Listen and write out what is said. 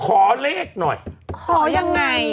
ขอเลขหน่อยขอยังไงอ่ะนี่ไง